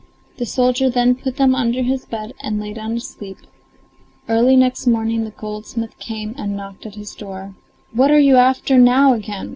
The soldier then put them under his bed and lay down to sleep. Early next morning the goldsmith came and knocked at his door. "What are you after now again?"